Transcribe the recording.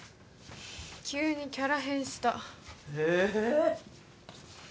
急にキャラ変したへえ